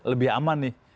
lebih aman nih